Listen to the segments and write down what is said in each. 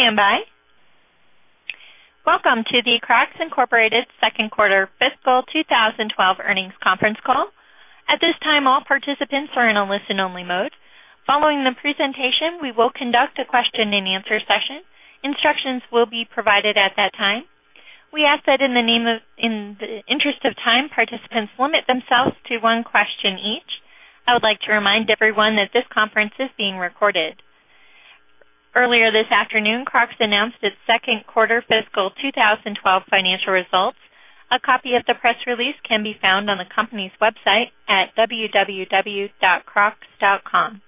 Please stand by. Welcome to the Crocs Incorporated second quarter fiscal 2012 earnings conference call. At this time, all participants are in a listen-only mode. Following the presentation, we will conduct a question-and-answer session. Instructions will be provided at that time. We ask that in the interest of time, participants limit themselves to one question each. I would like to remind everyone that this conference is being recorded. Earlier this afternoon, Crocs announced its second quarter fiscal 2012 financial results. A copy of the press release can be found on the company's website at www.crocs.com.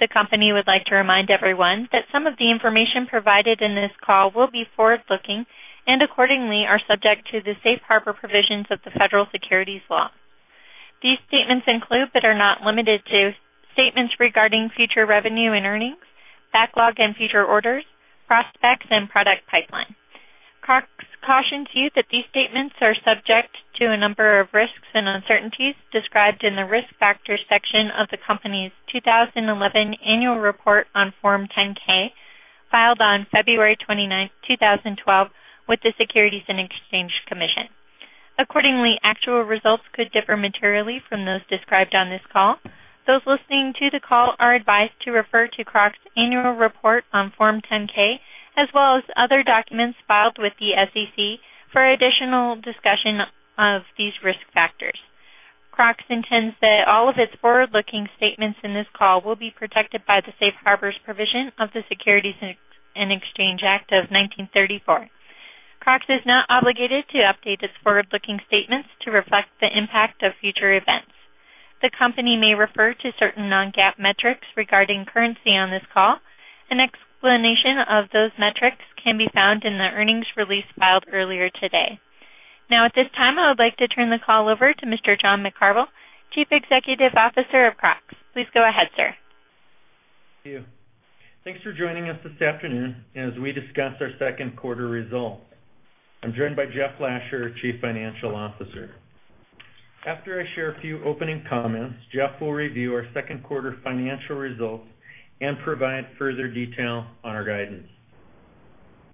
The company would like to remind everyone that some of the information provided in this call will be forward-looking and accordingly are subject to the safe harbor provisions of the Federal Securities law. These statements include but are not limited to statements regarding future revenue and earnings, backlog and future orders, prospects, and product pipeline. Crocs cautions you that these statements are subject to a number of risks and uncertainties described in the Risk Factors section of the company's 2011 annual report on Form 10-K, filed on February 29, 2012, with the Securities and Exchange Commission. Accordingly, actual results could differ materially from those described on this call. Those listening to the call are advised to refer to Crocs' annual report on Form 10-K, as well as other documents filed with the SEC for additional discussion of these risk factors. Crocs intends that all of its forward-looking statements in this call will be protected by the Safe Harbors provision of the Securities Exchange Act of 1934. Crocs is not obligated to update its forward-looking statements to reflect the impact of future events. The company may refer to certain non-GAAP metrics regarding currency on this call. An explanation of those metrics can be found in the earnings release filed earlier today. At this time, I would like to turn the call over to Mr. John McCarvel, Chief Executive Officer of Crocs. Please go ahead, sir. Thank you. Thanks for joining us this afternoon as we discuss our second quarter results. I'm joined by Jeff Lasher, our Chief Financial Officer. After I share a few opening comments, Jeff will review our second quarter financial results and provide further detail on our guidance.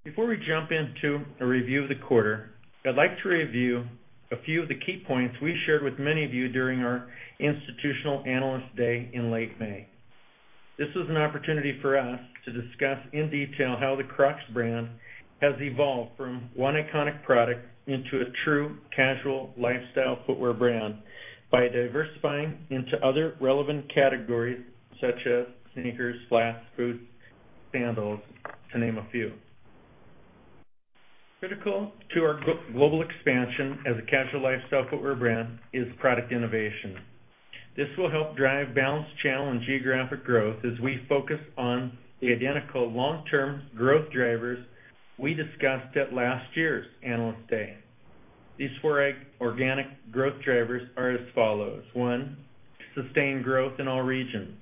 Before we jump into a review of the quarter, I'd like to review a few of the key points we shared with many of you during our Institutional Analyst Day in late May. This was an opportunity for us to discuss in detail how the Crocs brand has evolved from one iconic product into a true casual lifestyle footwear brand by diversifying into other relevant categories such as sneakers, flats, boots, sandals, to name a few. Critical to our global expansion as a casual lifestyle footwear brand is product innovation. This will help drive balanced channel and geographic growth as we focus on the identical long-term growth drivers we discussed at last year's Analyst Day. These four organic growth drivers are as follows. One, sustained growth in all regions.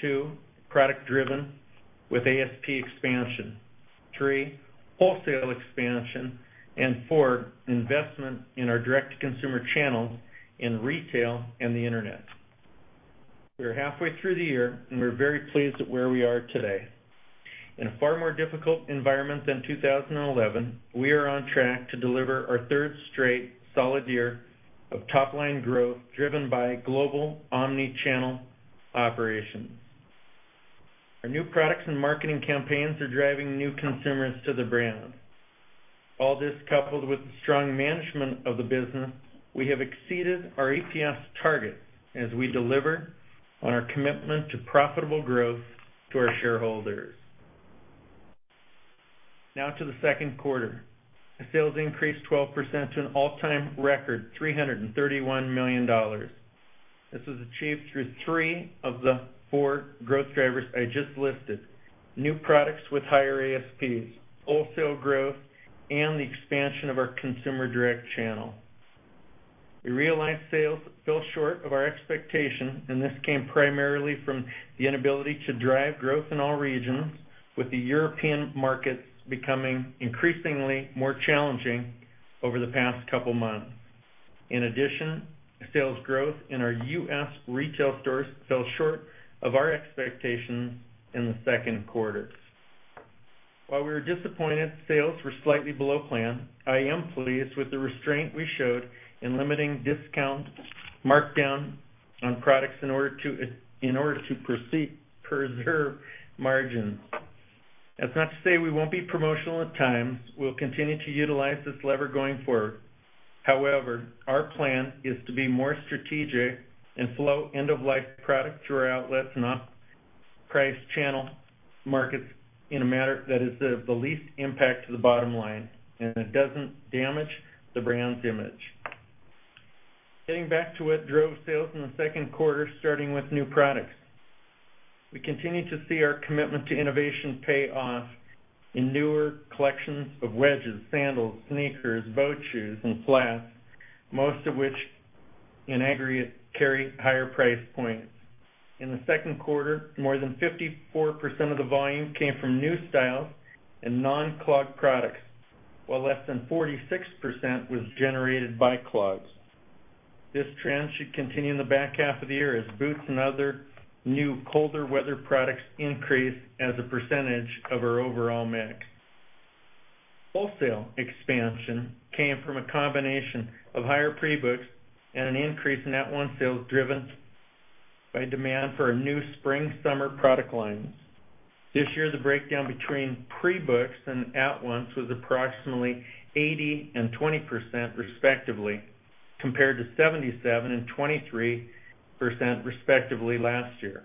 Two, product driven with ASP expansion. Three, wholesale expansion, and four, investment in our direct-to-consumer channels in retail and the internet. We are halfway through the year, and we're very pleased at where we are today. In a far more difficult environment than 2011, we are on track to deliver our third straight solid year of top-line growth driven by global omni-channel operations. Our new products and marketing campaigns are driving new consumers to the brand. All this coupled with the strong management of the business, we have exceeded our EPS target as we deliver on our commitment to profitable growth to our shareholders. Now to the second quarter. Our sales increased 12% to an all-time record, $331 million. This was achieved through three of the four growth drivers I just listed: new products with higher ASPs, wholesale growth, and the expansion of our consumer direct channel. We realized sales fell short of our expectation, and this came primarily from the inability to drive growth in all regions, with the European markets becoming increasingly more challenging over the past couple of months. In addition, sales growth in our U.S. retail stores fell short of our expectations in the second quarter. While we were disappointed sales were slightly below plan, I am pleased with the restraint we showed in limiting discount markdown on products in order to preserve margins. That's not to say we won't be promotional at times. We'll continue to utilize this lever going forward. Our plan is to be more strategic and flow end-of-life product through our outlets and off-price channel markets in a manner that has the least impact to the bottom line and that doesn't damage the brand's image. Getting back to what drove sales in the second quarter, starting with new products. We continue to see our commitment to innovation pay off in newer collections of wedges, sandals, sneakers, boat shoes, and flats, most of which in aggregate carry higher price points. In the second quarter, more than 54% of the volume came from new styles and non-clog products, while less than 46% was generated by clogs. This trend should continue in the back half of the year as boots and other new colder weather products increase as a percentage of our overall mix. Wholesale expansion came from a combination of higher pre-books and an increase in at-once sales, driven by demand for our new spring/summer product lines. This year, the breakdown between pre-books and at-once was approximately 80% and 20%, respectively, compared to 77% and 23%, respectively, last year.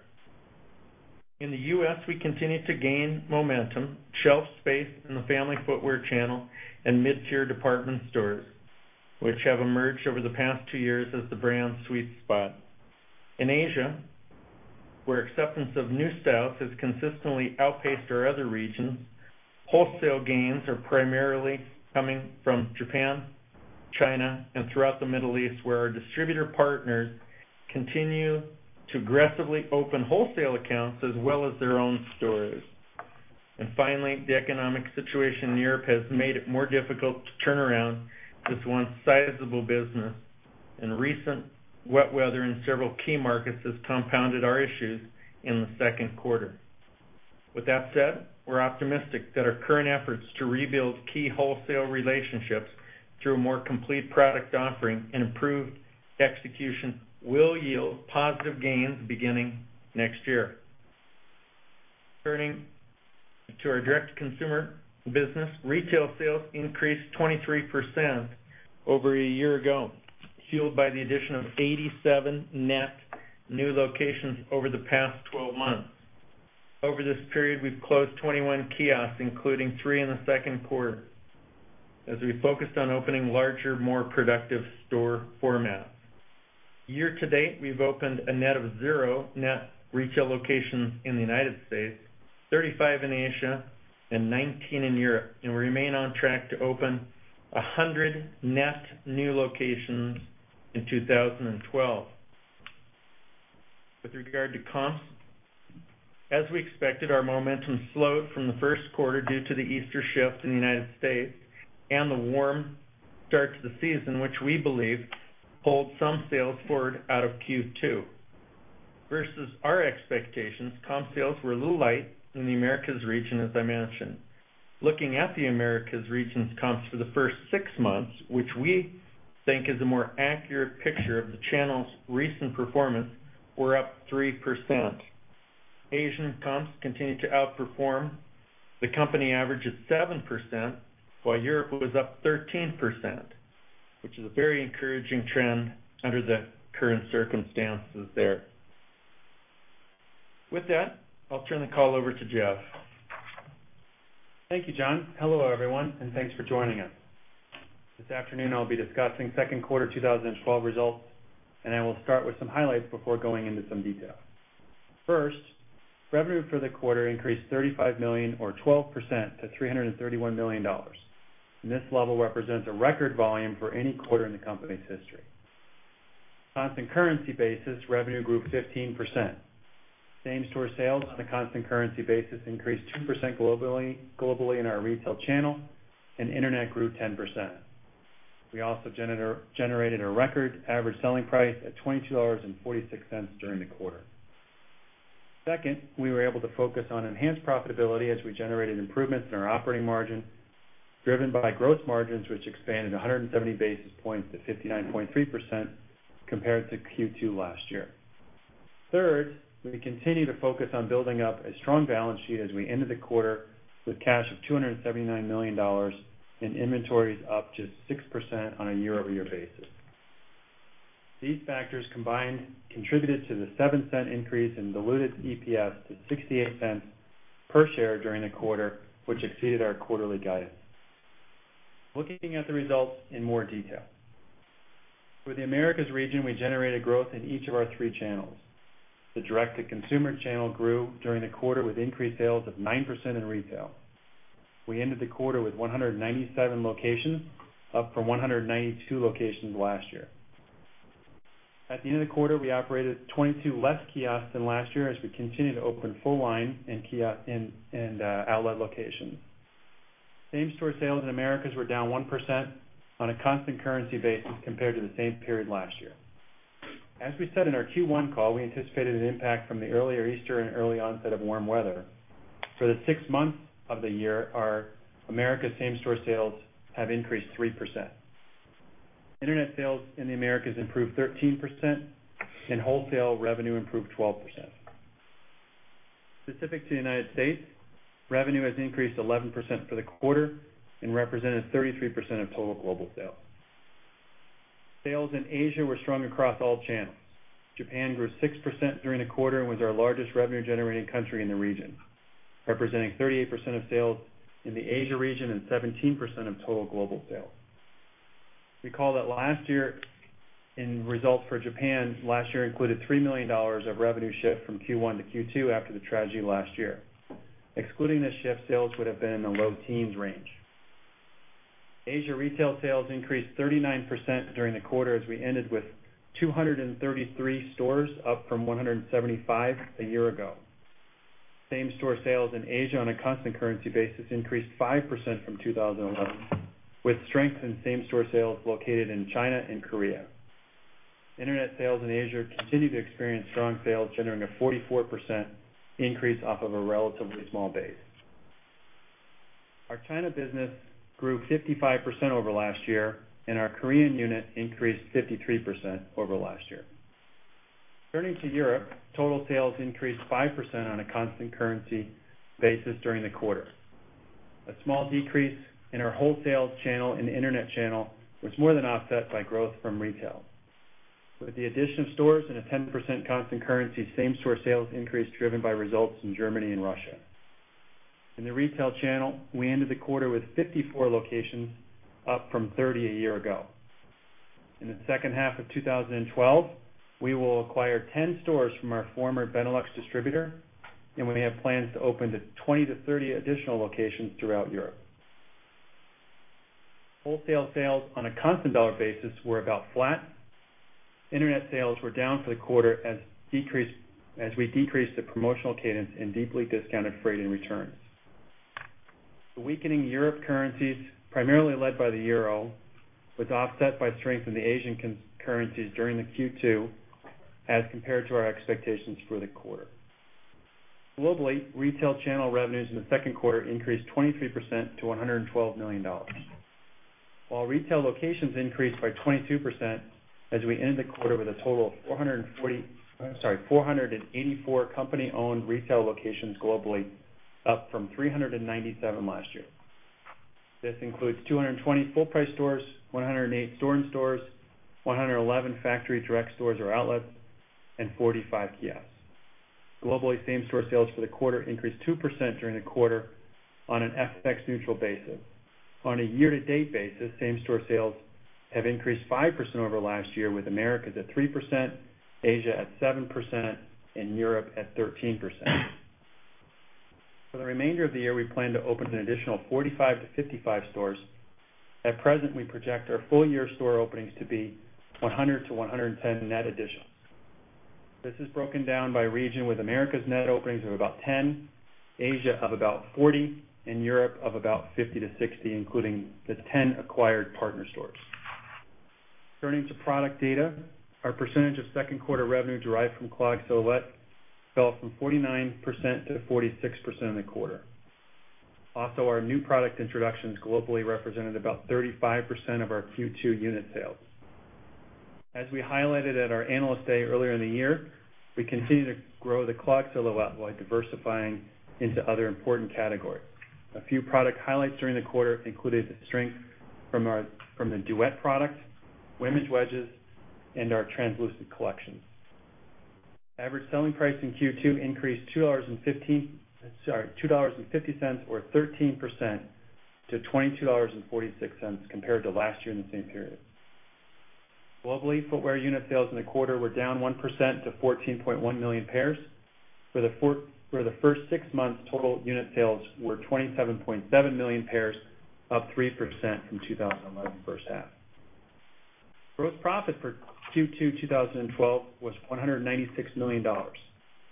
In the U.S., we continue to gain momentum, shelf space in the family footwear channel, and mid-tier department stores, which have emerged over the past two years as the brand's sweet spot. In Asia, where acceptance of new styles has consistently outpaced our other regions, wholesale gains are primarily coming from Japan, China, and throughout the Middle East, where our distributor partners continue to aggressively open wholesale accounts as well as their own stores. Finally, the economic situation in Europe has made it more difficult to turn around this once sizable business, and recent wet weather in several key markets has compounded our issues in the second quarter. With that said, we're optimistic that our current efforts to rebuild key wholesale relationships through a more complete product offering and improved execution will yield positive gains beginning next year. Turning to our direct-to-consumer business, retail sales increased 23% over a year ago, fueled by the addition of 87 net new locations over the past 12 months. Over this period, we've closed 21 kiosks, including three in the second quarter, as we focused on opening larger, more productive store formats. Year-to-date, we've opened a net of zero net retail locations in the U.S., 35 in Asia, and 19 in Europe, and we remain on track to open 100 net new locations in 2012. With regard to comps, as we expected, our momentum slowed from the first quarter due to the Easter shift in the U.S. and the warm start to the season, which we believe pulled some sales forward out of Q2. Versus our expectations, comp sales were a little light in the Americas region, as I mentioned. Looking at the Americas region's comps for the first six months, which we think is a more accurate picture of the channel's recent performance, we're up 3%. Asian comps continued to outperform the company average at 7%, while Europe was up 13%, which is a very encouraging trend under the current circumstances there. With that, I'll turn the call over to Jeff. Thank you, John. Hello, everyone, thanks for joining us. This afternoon, I'll be discussing second quarter 2012 results. I will start with some highlights before going into some detail. First, revenue for the quarter increased $35 million or 12% to $331 million. This level represents a record volume for any quarter in the company's history. Constant currency basis, revenue grew 15%. Same-store sales on a constant currency basis increased 2% globally in our retail channel, and internet grew 10%. We also generated a record average selling price at $22.46 during the quarter. Second, we were able to focus on enhanced profitability as we generated improvements in our operating margin, driven by gross margins, which expanded 170 basis points to 59.3% compared to Q2 last year. Third, we continue to focus on building up a strong balance sheet as we ended the quarter with cash of $279 million and inventories up just 6% on a year-over-year basis. These factors combined contributed to the $0.07 increase in diluted EPS to $0.68 per share during the quarter, which exceeded our quarterly guidance. Looking at the results in more detail. For the Americas region, we generated growth in each of our three channels. The direct-to-consumer channel grew during the quarter with increased sales of 9% in retail. We ended the quarter with 197 locations, up from 192 locations last year. At the end of the quarter, we operated 22 less kiosks than last year as we continue to open full line and outlet locations. Same-store sales in Americas were down 1% on a constant currency basis compared to the same period last year. As we said in our Q1 call, we anticipated an impact from the earlier Easter and early onset of warm weather. For the six months of the year, our Americas same-store sales have increased 3%. Internet sales in the Americas improved 13%, and wholesale revenue improved 12%. Specific to U.S., revenue has increased 11% for the quarter and represented 33% of total global sales. Sales in Asia were strong across all channels. Japan grew 6% during the quarter and was our largest revenue-generating country in the region, representing 38% of sales in the Asia region and 17% of total global sales. Recall that last year in results for Japan, last year included $3 million of revenue shift from Q1 to Q2 after the tragedy last year. Excluding this shift, sales would've been in the low teens range. Asia retail sales increased 39% during the quarter as we ended with 233 stores, up from 175 a year ago. Same-store sales in Asia on a constant currency basis increased 5% from 2011, with strength in same-store sales located in China and Korea. Internet sales in Asia continued to experience strong sales, generating a 44% increase off of a relatively small base. Our China business grew 55% over last year, and our Korean unit increased 53% over last year. Turning to Europe, total sales increased 5% on a constant currency basis during the quarter. A small decrease in our wholesale channel and Internet channel was more than offset by growth from retail. With the addition of stores and a 10% constant currency, same-store sales increased driven by results in Germany and Russia. In the retail channel, we ended the quarter with 54 locations, up from 30 a year ago. In the second half of 2012, we will acquire 10 stores from our former Benelux distributor, and we have plans to open 20 to 30 additional locations throughout Europe. Wholesale sales on a constant dollar basis were about flat. Internet sales were down for the quarter as we decreased the promotional cadence and deeply discounted freight and returns. The weakening European currencies, primarily led by the EUR, was offset by strength in the Asian currencies during the Q2 as compared to our expectations for the quarter. Globally, retail channel revenues in the second quarter increased 23% to $112 million. While retail locations increased by 22% as we end the quarter with a total of 484 company-owned retail locations globally, up from 397 last year. This includes 220 full-price stores, 108 store-in-stores, 111 factory direct stores or outlets, and 45 kiosks. Globally, same-store sales for the quarter increased 2% during the quarter on an FX-neutral basis. On a year-to-date basis, same-store sales have increased 5% over last year, with Americas at 3%, Asia at 7%, and Europe at 13%. For the remainder of the year, we plan to open an additional 45 to 55 stores. At present, we project our full-year store openings to be 100 to 110 net additions. This is broken down by region, with Americas net openings of about 10, Asia of about 40, and Europe of about 50 to 60, including the 10 acquired partner stores. Turning to product data. Our percentage of second quarter revenue derived from Crocs Silhouette fell from 49% to 46% in the quarter. Also, our new product introductions globally represented about 35% of our Q2 unit sales. As we highlighted at our Analyst Day earlier in the year, we continue to grow the Crocs Silhouette while diversifying into other important categories. A few product highlights during the quarter included strength from the Duet product, women's wedges, and our Translucent collections. Average selling price in Q2 increased $2.50 or 13% to $22.46 compared to last year in the same period. Globally, footwear unit sales in the quarter were down 1% to 14.1 million pairs. For the first six months, total unit sales were 27.7 million pairs, up 3% from 2011 first half. Gross profit for Q2 2012 was $196 million,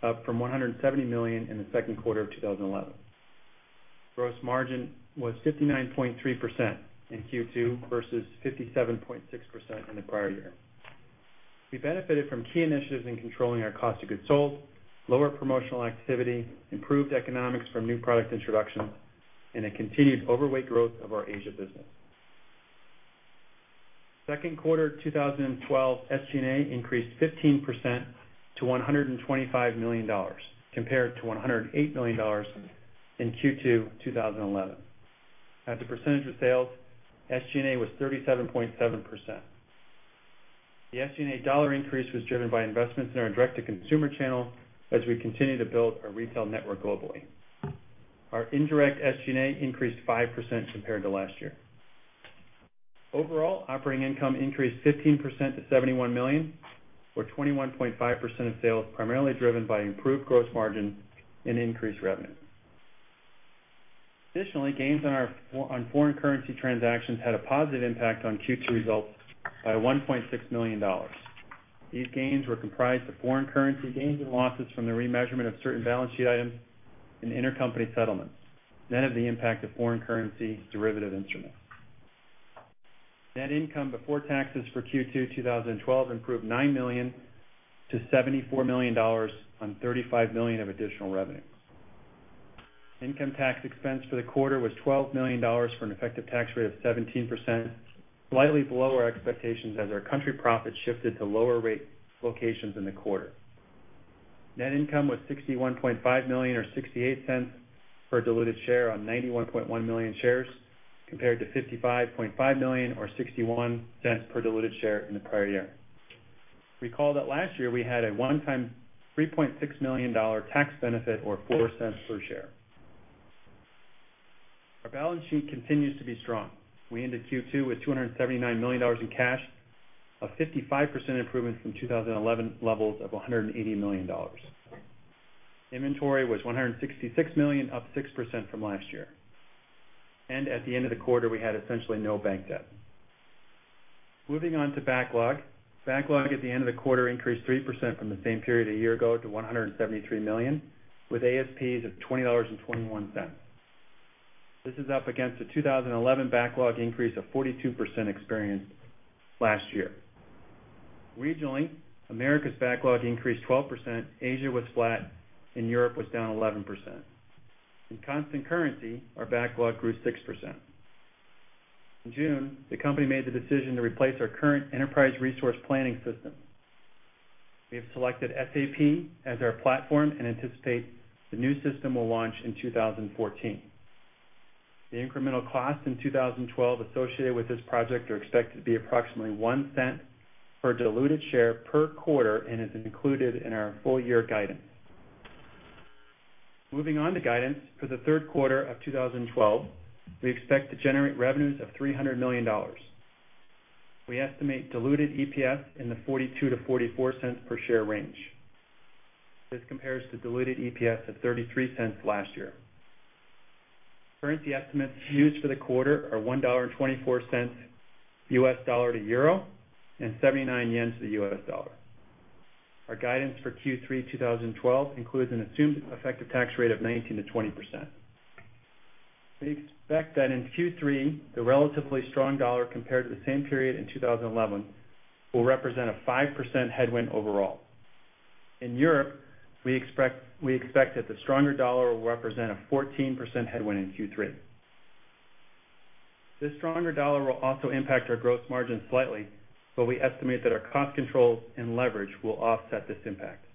up from $170 million in the second quarter of 2011. Gross margin was 59.3% in Q2 versus 57.6% in the prior year. We benefited from key initiatives in controlling our cost of goods sold, lower promotional activity, improved economics from new product introductions, and a continued overweight growth of our Asia business. Second quarter 2012 SG&A increased 15% to $125 million compared to $108 million in Q2 2011. As a percentage of sales, SG&A was 37.7%. The SG&A dollar increase was driven by investments in our direct-to-consumer channel as we continue to build our retail network globally. Our indirect SG&A increased 5% compared to last year. Overall, operating income increased 15% to $71 million, or 21.5% of sales, primarily driven by improved gross margin and increased revenue. Additionally, gains on foreign currency transactions had a positive impact on Q2 results by $1.6 million. These gains were comprised of foreign currency gains and losses from the remeasurement of certain balance sheet items and intercompany settlements. None of the impact of foreign currency was derivative instruments. Net income before taxes for Q2 2012 improved $9 million to $74 million on $35 million of additional revenues. Income tax expense for the quarter was $12 million for an effective tax rate of 17%, slightly below our expectations as our country profits shifted to lower rate locations in the quarter. Net income was $61.5 million or $0.68 per diluted share on 91.1 million shares, compared to $55.5 million or $0.61 per diluted share in the prior year. Recall that last year we had a one-time $3.6 million tax benefit or $0.04 per share. Our balance sheet continues to be strong. We ended Q2 with $279 million in cash, a 55% improvement from 2011 levels of $180 million. Inventory was $166 million, up 6% from last year. At the end of the quarter, we had essentially no bank debt. Moving on to backlog. Backlog at the end of the quarter increased 3% from the same period a year ago to $173 million, with ASPs of $20.21. This is up against a 2011 backlog increase of 42% experienced last year. Regionally, Americas backlog increased 12%, Asia was flat, and Europe was down 11%. In constant currency, our backlog grew 6%. In June, the company made the decision to replace our current enterprise resource planning system. We have selected SAP as our platform and anticipate the new system will launch in 2014. The incremental costs in 2012 associated with this project are expected to be approximately $0.01 per diluted share per quarter and is included in our full-year guidance. Moving on to guidance for the third quarter of 2012, we expect to generate revenues of $300 million. We estimate diluted EPS in the $0.42-$0.44 per share range. This compares to diluted EPS of $0.33 last year. Currency estimates used for the quarter are $1.24 USD to EUR and 79 JPY to the USD. Our guidance for Q3 2012 includes an assumed effective tax rate of 19%-20%. We expect that in Q3, the relatively strong dollar compared to the same period in 2011 will represent a 5% headwind overall. In Europe, we expect that the stronger dollar will represent a 14% headwind in Q3. This stronger dollar will also impact our gross margin slightly, but we estimate that our cost controls and leverage will offset this impact.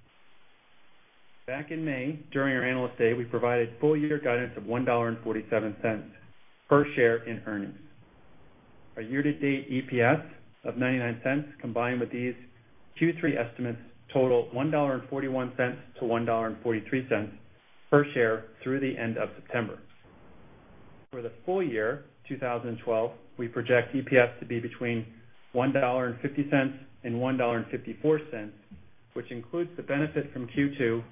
Back in May, during our Analyst Day, we provided full year guidance of $1.47 per share in earnings. Our year-to-date EPS of $0.99, combined with these Q3 estimates, total $1.41-$1.43 per share through the end of September. For the full year 2012, we project EPS to be between $1.50 and $1.54, which includes the benefit from Q2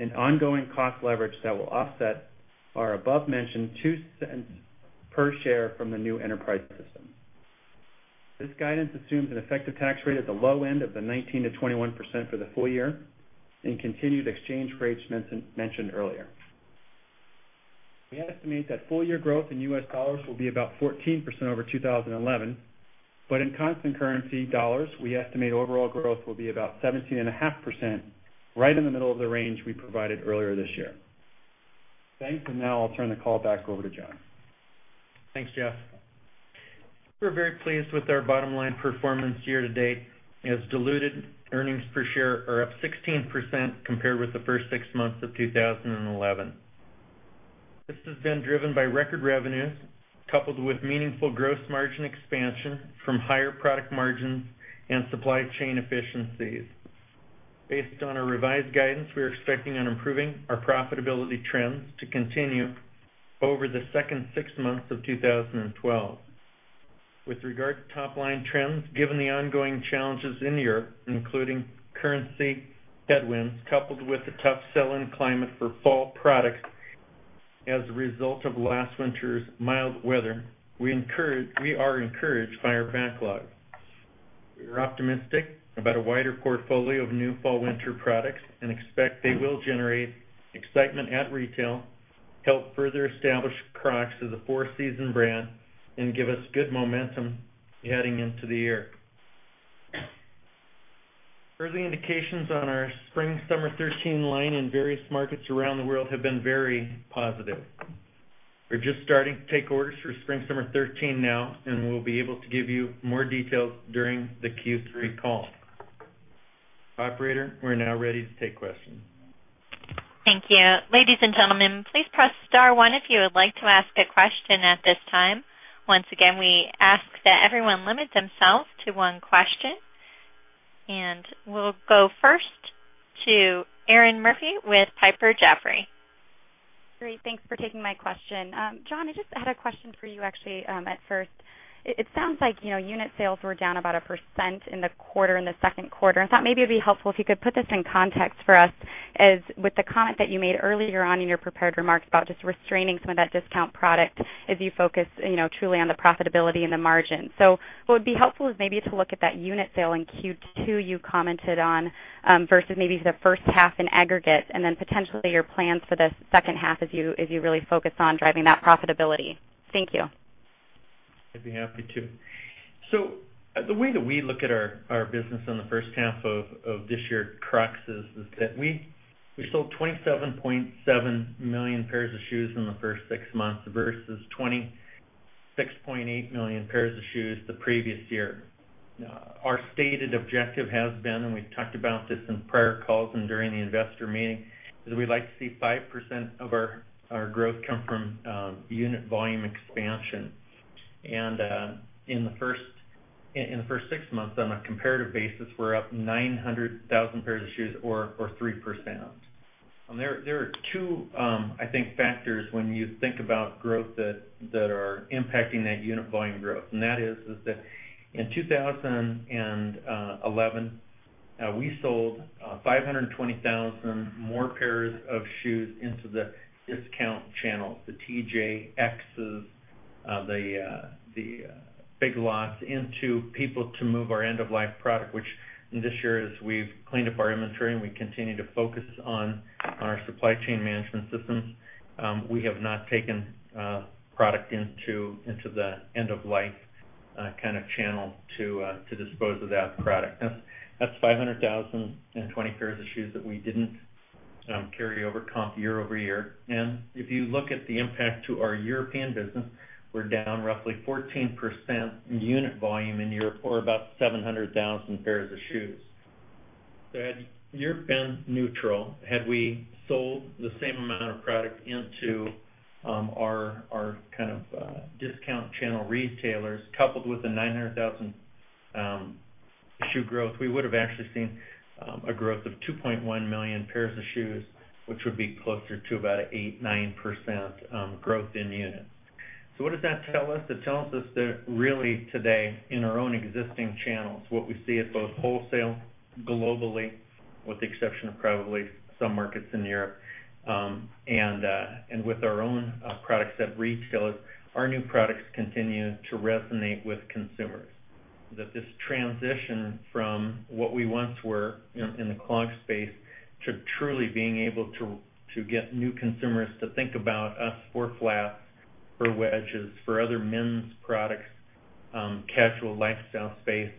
and ongoing cost leverage that will offset our above-mentioned $0.02 per share from the new enterprise system. This guidance assumes an effective tax rate at the low end of the 19%-21% for the full year and continued exchange rates mentioned earlier. We estimate that full-year growth in USD will be about 14% over 2011. In constant currency USD, we estimate overall growth will be about 17.5%, right in the middle of the range we provided earlier this year. Thanks. Now I'll turn the call back over to John. Thanks, Jeff. We're very pleased with our bottom line performance year to date, as diluted earnings per share are up 16% compared with the first six months of 2011. This has been driven by record revenues coupled with meaningful gross margin expansion from higher product margins and supply chain efficiencies. Based on our revised guidance, we are expecting and improving our profitability trends to continue over the second six months of 2012. With regard to top-line trends, given the ongoing challenges in Europe, including currency headwinds coupled with a tough selling climate for fall products as a result of last winter's mild weather, we are encouraged by our backlog. We are optimistic about a wider portfolio of new fall/winter products and expect they will generate excitement at retail, help further establish Crocs as a four-season brand, and give us good momentum heading into the year. Early indications on our spring/summer '13 line in various markets around the world have been very positive. We're just starting to take orders for spring/summer '13 now, and we will be able to give you more details during the Q3 call. Operator, we're now ready to take questions. Thank you. Ladies and gentlemen, please press *1 if you would like to ask a question at this time. Once again, we ask that everyone limit themselves to one question. We'll go first to Erinn Murphy with Piper Jaffray. Great. Thanks for taking my question. John, I just had a question for you, actually, at first. It sounds like unit sales were down about 1% in the second quarter. I thought maybe it'd be helpful if you could put this in context for us, as with the comment that you made earlier on in your prepared remarks about just restraining some of that discount product as you focus truly on the profitability and the margin. What would be helpful is maybe to look at that unit sale in Q2 you commented on, versus maybe the first half in aggregate, then potentially your plans for the second half as you really focus on driving that profitability. Thank you. I'd be happy to. The way that we look at our business in the first half of this year at Crocs is that we sold 27.7 million pairs of shoes in the first six months versus 26.8 million pairs of shoes the previous year. Our stated objective has been, we've talked about this in prior calls and during the investor meeting, is we'd like to see 5% of our growth come from unit volume expansion. In the first six months, on a comparative basis, we're up 900,000 pairs of shoes or 3%. There are two, I think, factors when you think about growth that are impacting that unit volume growth. That is that in 2011 we sold 520,000 more pairs of shoes into the discount channels, the TJX's, the Big Lots, into people to move our end-of-life product, which in this year, as we've cleaned up our inventory and we continue to focus on our supply chain management systems, we have not taken product into the end-of-life kind of channel to dispose of that product. That's 500,020 pairs of shoes that we didn't carry over comp year-over-year. If you look at the impact to our European business, we're down roughly 14% in unit volume in Europe or about 700,000 pairs of shoes. Had Europe been neutral, had we sold the same amount of product into our kind of discount channel retailers, coupled with the 900,000 shoe growth, we would have actually seen a growth of $2.1 million pairs of shoes, which would be closer to about 8%, 9% growth in units. What does that tell us? It tells us that really today, in our own existing channels, what we see at both wholesale globally, with the exception of probably some markets in Europe, and with our own products at retailers, our new products continue to resonate with consumers. This transition from what we once were in the clog space to truly being able to get new consumers to think about us for flats, for wedges, for other men's products, casual lifestyle space,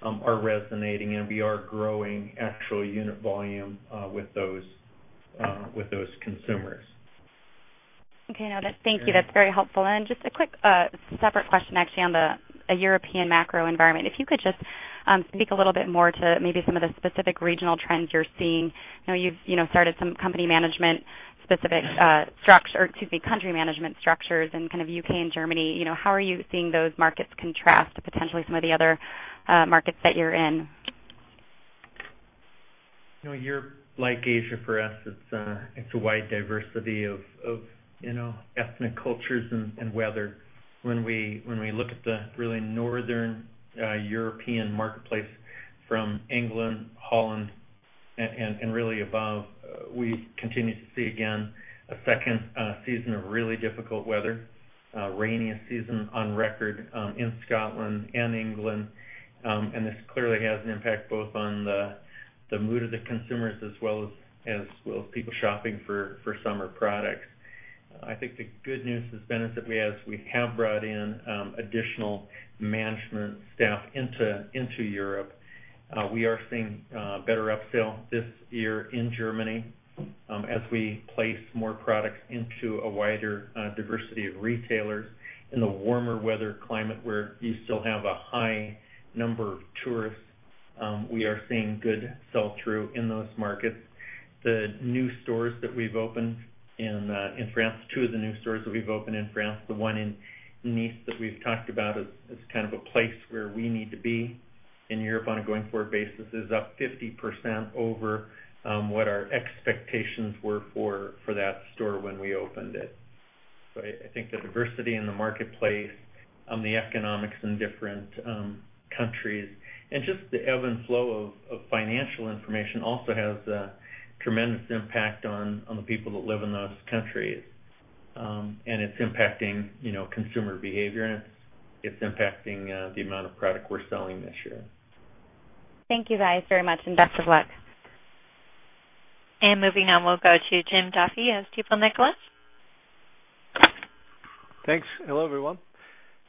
are resonating and we are growing actual unit volume with those consumers. Okay. Thank you. That's very helpful. Just a quick separate question actually on the European macro environment. If you could just speak a little bit more to maybe some of the specific regional trends you're seeing. I know you've started some company management specific structure, excuse me, country management structures in U.K. and Germany. How are you seeing those markets contrast to potentially some of the other markets that you're in? Europe, like Asia for us, it's a wide diversity of ethnic cultures and weather. When we look at the really northern European marketplace from England, Holland, and really above, we continue to see, again, a second season of really difficult weather, rainiest season on record in Scotland and England. This clearly has an impact both on the mood of the consumers as well as people shopping for summer products. I think the good news has been is that we have brought in additional management staff into Europe. We are seeing better upsale this year in Germany, as we place more products into a wider diversity of retailers in the warmer weather climate where you still have a high number of tourists. We are seeing good sell-through in those markets. The new stores that we've opened in France, two of the new stores that we've opened in France, the one in Nice that we've talked about as kind of a place where we need to be in Europe on a going forward basis, is up 50% over what our expectations were for that store when we opened it. I think the diversity in the marketplace, the economics in different countries, and just the ebb and flow of financial information also has a tremendous impact on the people that live in those countries. It's impacting consumer behavior, and it's impacting the amount of product we're selling this year. Thank you guys very much, and best of luck. Moving on, we'll go to Jim Duffy of Stifel Nicolaus. Thanks. Hello, everyone.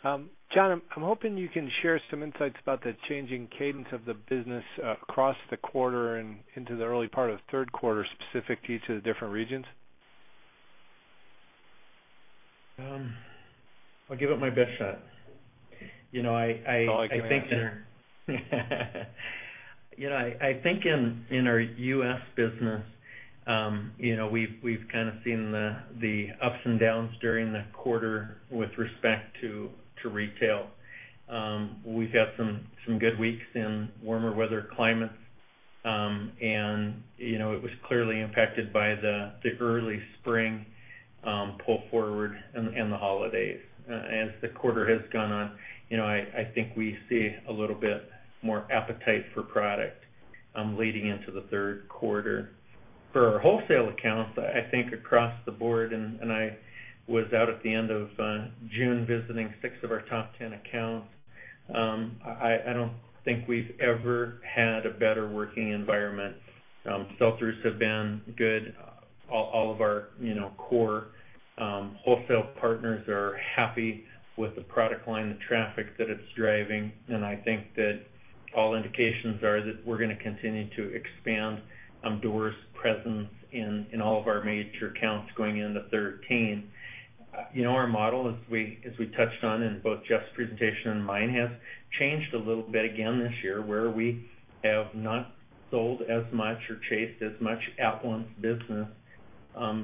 John, I'm hoping you can share some insights about the changing cadence of the business across the quarter and into the early part of third quarter, specific to each of the different regions. I'll give it my best shot. That's all I can ask. In our U.S. business, we've kind of seen the ups and downs during the quarter with respect to retail. We've had some good weeks in warmer weather climates, and it was clearly impacted by the early spring pull forward and the holidays. As the quarter has gone on, I think we see a little bit more appetite for product leading into the third quarter. For our wholesale accounts, I think across the board, I was out at the end of June visiting six of our top 10 accounts. I don't think we've ever had a better working environment. Sell-throughs have been good. All of our core wholesale partners are happy with the product line, the traffic that it's driving, and I think that all indications are that we're going to continue to expand doors' presence in all of our major accounts going into 2013. Our model, as we touched on in both Jeff's presentation and mine, has changed a little bit again this year, where we have not sold as much or chased as much at once business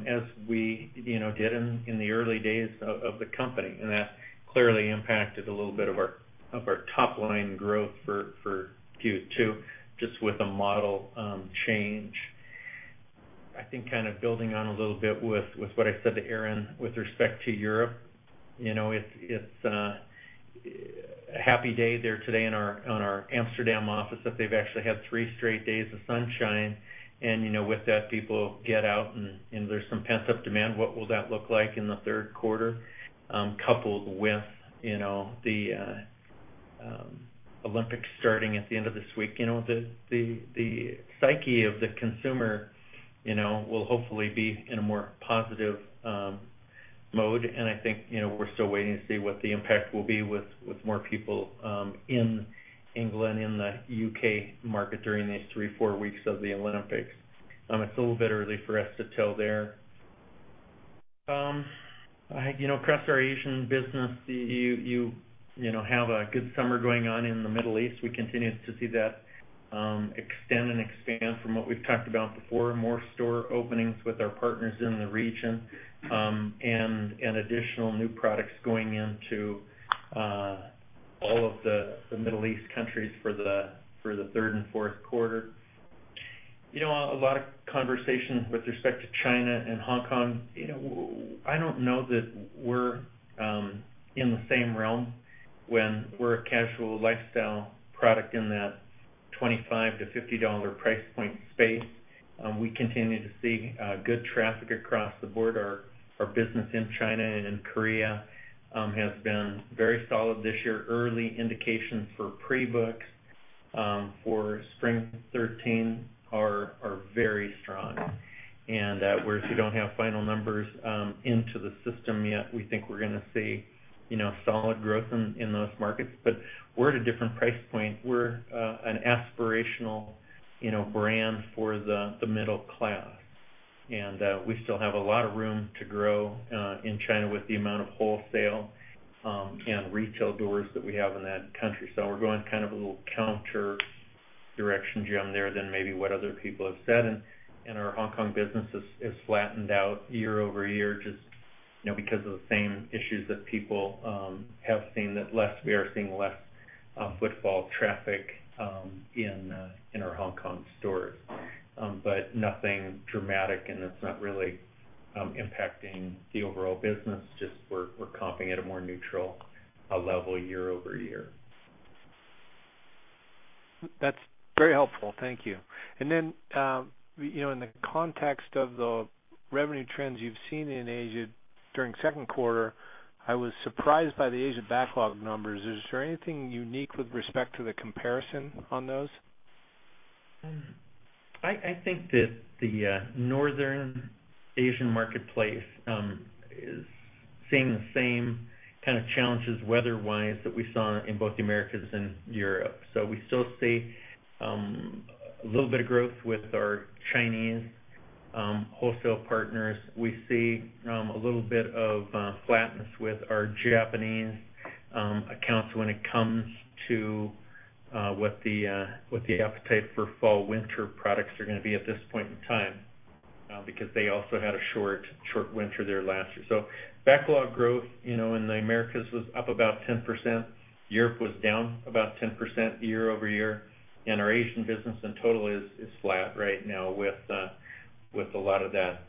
as we did in the early days of the company. That clearly impacted a little bit of our top-line growth for Q2, just with a model change. I think kind of building on a little bit with what I said to Erinn with respect to Europe. It's a happy day there today in our Amsterdam office that they've actually had three straight days of sunshine, and with that, people get out, and there's some pent-up demand. What will that look like in the third quarter? Coupled with the Olympics starting at the end of this week. The psyche of the consumer will hopefully be in a more positive mode. I think we're still waiting to see what the impact will be with more people in England, in the U.K. market during these three, four weeks of the Olympics. It's a little bit early for us to tell there. Across our Asian business, you have a good summer going on in the Middle East. We continue to see that extend and expand from what we've talked about before, more store openings with our partners in the region, and additional new products going into all of the Middle East countries for the third and fourth quarter. A lot of conversations with respect to China and Hong Kong. I don't know that we're in the same realm when we're a casual lifestyle product in that $25 to $50 price point space. We continue to see good traffic across the board. Our business in China and in Korea has been very solid this year. Early indications for pre-books for spring 2013 are very strong. Whereas we don't have final numbers into the system yet, we think we're going to see solid growth in those markets. We're at a different price point. We're an aspirational brand for the middle class. We still have a lot of room to grow in China with the amount of wholesale and retail doors that we have in that country. We're going a little counter direction, Jim, there than maybe what other people have said. Our Hong Kong business has flattened out year-over-year, just because of the same issues that people have seen, that we are seeing less footfall traffic in our Hong Kong stores. Nothing dramatic, and it's not really impacting the overall business. Just we're comping at a more neutral level year-over-year. That's very helpful. Thank you. Then, in the context of the revenue trends you've seen in Asia during second quarter, I was surprised by the Asia backlog numbers. Is there anything unique with respect to the comparison on those? I think that the Northern Asian marketplace is seeing the same kind of challenges weather-wise that we saw in both the Americas and Europe. We still see a little bit of growth with our Chinese wholesale partners. We see a little bit of flatness with our Japanese accounts when it comes to what the appetite for fall/winter products are going to be at this point in time, because they also had a short winter there last year. Backlog growth in the Americas was up about 10%. Europe was down about 10% year-over-year. Our Asian business in total is flat right now with a lot of that,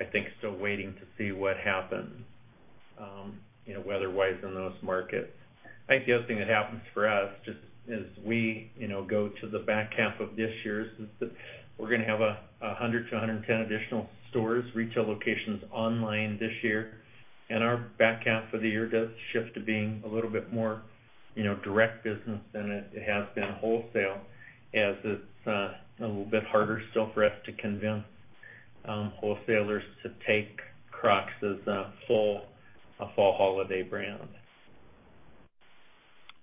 I think, still waiting to see what happens weather-wise in those markets. I think the other thing that happens for us just as we go to the back half of this year, since we're going to have 100 to 110 additional stores, retail locations online this year, and our back half of the year does shift to being a little bit more direct business than it has been wholesale, as it's a little bit harder still for us to convince wholesalers to take Crocs as a full fall holiday brand.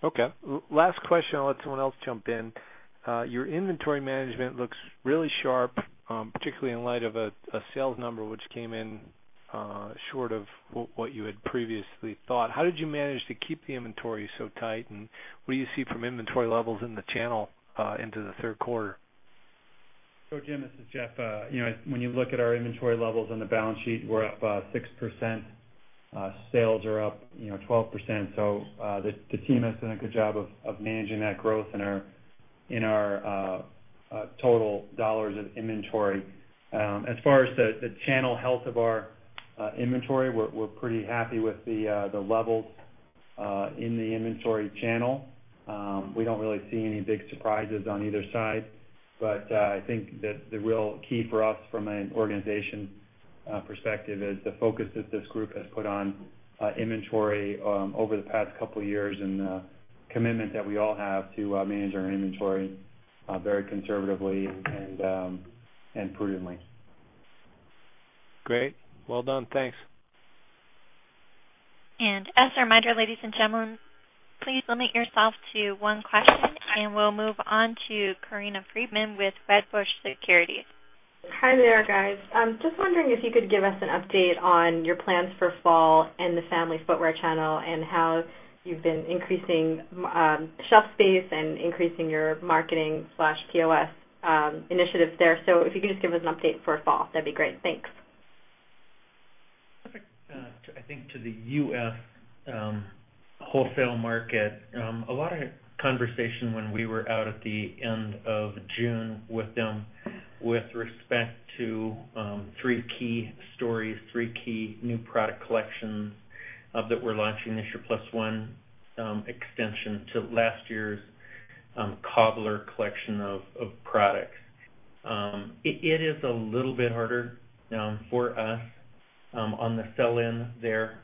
Okay. Last question, I'll let someone else jump in. Your inventory management looks really sharp, particularly in light of a sales number which came in short of what you had previously thought. How did you manage to keep the inventory so tight, and what do you see from inventory levels in the channel into the third quarter? Jim, this is Jeff. When you look at our inventory levels on the balance sheet, we're up 6%. Sales are up 12%. The team has done a good job of managing that growth in our total dollars of inventory. As far as the channel health of our inventory, we're pretty happy with the levels in the inventory channel. We don't really see any big surprises on either side. I think that the real key for us from an organization perspective is the focus that this group has put on inventory over the past couple of years and the commitment that we all have to manage our inventory very conservatively and prudently. Great. Well done. Thanks. As a reminder, ladies and gentlemen, please limit yourself to one question, and we'll move on to Corinna Freedman with Wedbush Securities. Hi there, guys. Just wondering if you could give us an update on your plans for fall and the family footwear channel and how you've been increasing shelf space and increasing your marketing/POS initiatives there. If you could just give us an update for fall, that'd be great. Thanks. Specific, I think, to the U.S. wholesale market. A lot of conversation when we were out at the end of June with them with respect to three key stories, three key new product collections that we're launching this year, plus one extension to last year's Cobbler collection of products. It is a little bit harder for us on the sell-in there,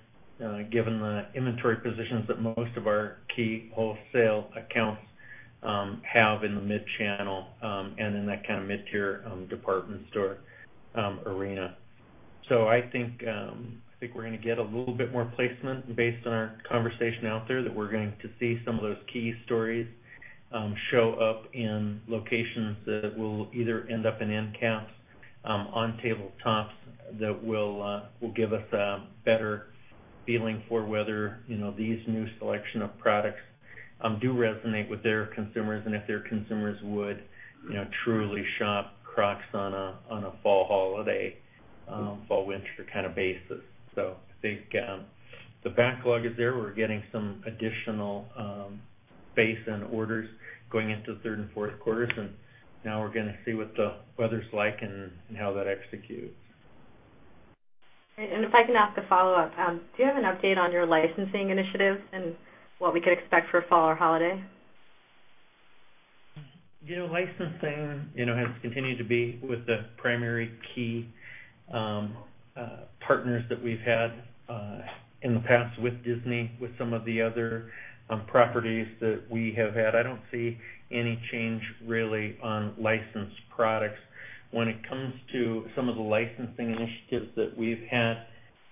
given the inventory positions that most of our key wholesale accounts have in the mid-channel, and in that kind of mid-tier department store arena. I think we're going to get a little bit more placement based on our conversation out there, that we're going to see some of those key stories show up in locations that will either end up in endcaps, on tabletops, that will give us a better feeling for whether these new selection of products do resonate with their consumers and if their consumers would truly shop Crocs on a fall holiday, fall/winter kind of basis. I think the backlog is there. We're getting some additional base and orders going into the third and fourth quarters, and now we're going to see what the weather's like and how that executes. If I can ask a follow-up, do you have an update on your licensing initiatives and what we could expect for fall or holiday? Licensing has continued to be with the primary key partners that we've had, in the past with Disney, with some of the other properties that we have had. I don't see any change, really, on licensed products. When it comes to some of the licensing initiatives that we've had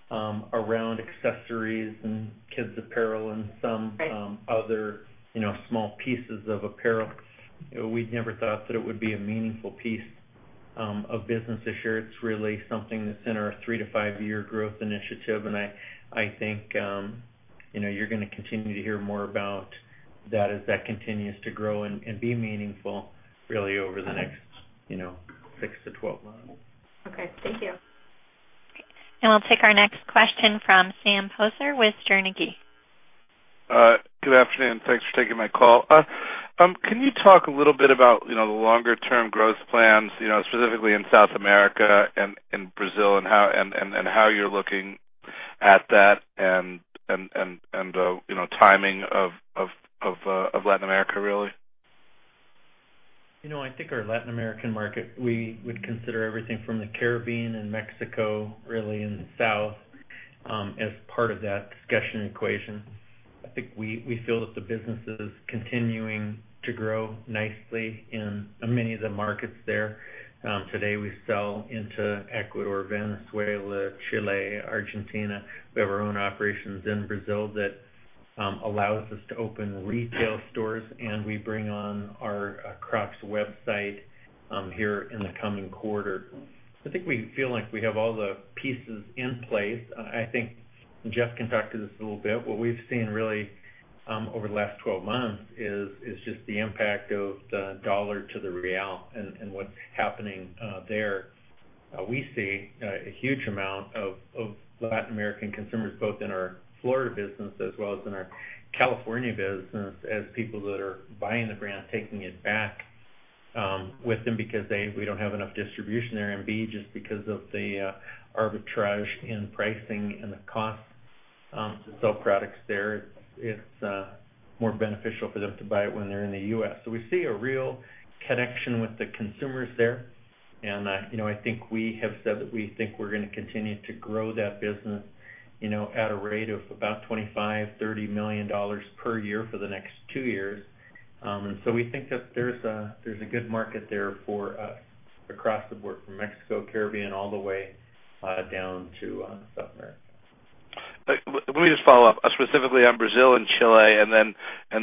around accessories and kids apparel and some other small pieces of apparel, we never thought that it would be a meaningful piece of business this year. It's really something that's in our three to five-year growth initiative, and I think you're going to continue to hear more about that as that continues to grow and be meaningful, really, over the next six to 12 months. Okay. Thank you. We'll take our next question from Sam Poser with Sterne Agee. Good afternoon. Thanks for taking my call. Can you talk a little bit about the longer-term growth plans, specifically in South America and Brazil, and how you're looking at that and timing of Latin America, really? I think our Latin American market, we would consider everything from the Caribbean and Mexico, really in the south, as part of that discussion equation. I think we feel that the business is continuing to grow nicely in many of the markets there. Today, we sell into Ecuador, Venezuela, Chile, Argentina. We have our own operations in Brazil that allows us to open retail stores, and we bring on our Crocs website here in the coming quarter. I think we feel like we have all the pieces in place. I think Jeff can talk to this a little bit. What we've seen really over the last 12 months is just the impact of the dollar to the Real and what's happening there. We see a huge amount of Latin American consumers, both in our Florida business as well as in our California business, as people that are buying the brand, taking it back with them because, A, we don't have enough distribution there, and B, just because of the arbitrage in pricing and the cost to sell products there. It's more beneficial for them to buy it when they're in the U.S. We see a real connection with the consumers there, and I think we have said that we think we're going to continue to grow that business at a rate of about $25 million-$30 million per year for the next two years. We think that there's a good market there for us across the board, from Mexico, Caribbean, all the way down to South America. Let me just follow up specifically on Brazil and Chile, and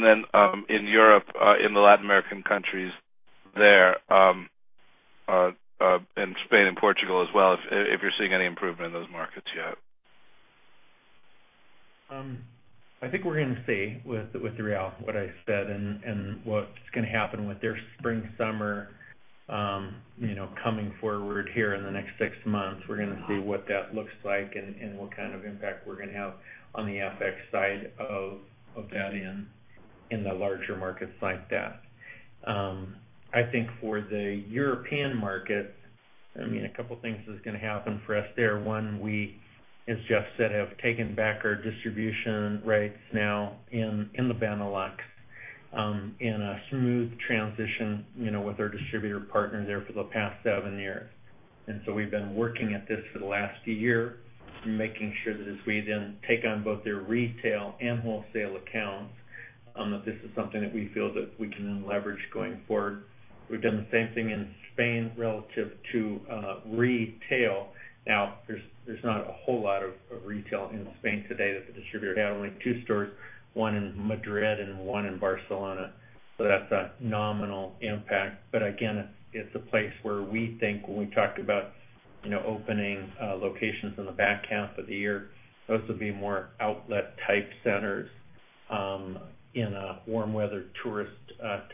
then in Europe, in the Latin American countries there, and Spain and Portugal as well, if you're seeing any improvement in those markets yet. I think we're going to see with Real what I said and what's going to happen with their spring/summer coming forward here in the next six months. We're going to see what that looks like and what kind of impact we're going to have on the FX side of that in the larger markets like that. I think for the European market, a couple of things is going to happen for us there. One, we, as Jeff said, have taken back our distribution rights now in the Benelux in a smooth transition with our distributor partner there for the past seven years. We've been working at this for the last year, making sure that as we then take on both their retail and wholesale accounts, that this is something that we feel that we can then leverage going forward. We've done the same thing in Spain relative to retail. There's not a whole lot of retail in Spain today that the distributor had. Only two stores, one in Madrid and one in Barcelona. That's a nominal impact, but again, it's a place where we think when we talked about opening locations in the back half of the year, those will be more outlet-type centers In a warm weather tourist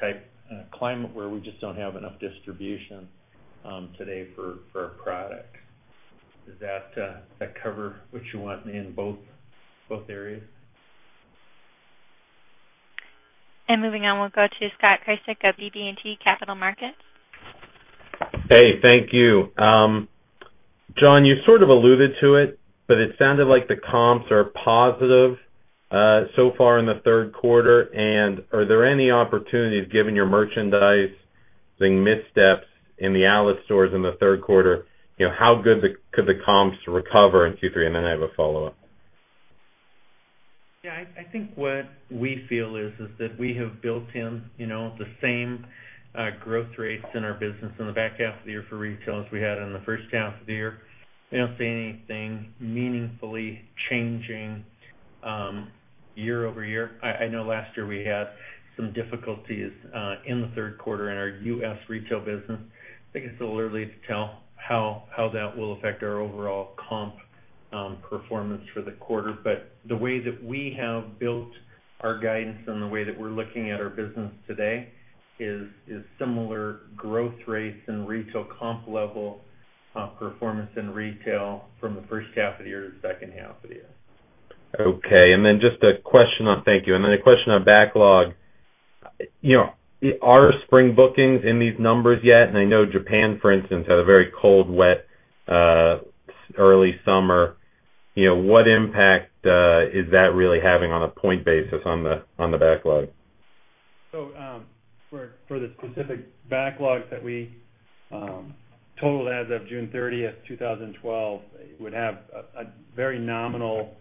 type climate where we just don't have enough distribution today for our product. Does that cover what you want in both areas? Moving on, we'll go to Scott Krasik of BB&T Capital Markets. Thank you. John, you sort of alluded to it, but it sounded like the comps are positive so far in the third quarter. Are there any opportunities, given your merchandising missteps in the outlet stores in the third quarter, how good could the comps recover in Q3? I have a follow-up. I think what we feel is that we have built in the same growth rates in our business in the back half of the year for retail as we had in the first half of the year. We don't see anything meaningfully changing year-over-year. I know last year we had some difficulties in the third quarter in our U.S. retail business. I think it's a little early to tell how that will affect our overall comp performance for the quarter, the way that we have built our guidance and the way that we're looking at our business today is similar growth rates and retail comp level performance in retail from the first half of the year to the second half of the year. Okay. Thank you. A question on backlog. Are spring bookings in these numbers yet? I know Japan, for instance, had a very cold, wet early summer. What impact is that really having on a point basis on the backlog? For the specific backlogs that we totaled as of June 30th, 2012, would have a very nominal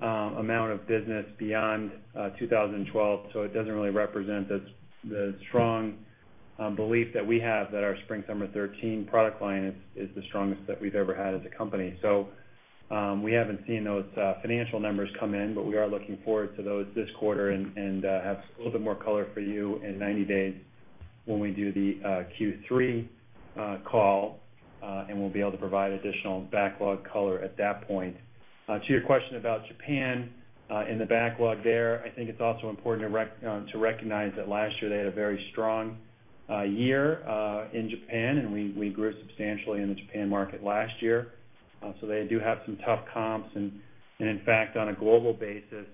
amount of business beyond 2012. It doesn't really represent the strong belief that we have that our spring/summer '13 product line is the strongest that we've ever had as a company. We haven't seen those financial numbers come in, but we are looking forward to those this quarter and have a little bit more color for you in 90 days when we do the Q3 call. We'll be able to provide additional backlog color at that point. To your question about Japan and the backlog there, I think it's also important to recognize that last year they had a very strong year in Japan, and we grew substantially in the Japan market last year. They do have some tough comps. In fact, on a global basis,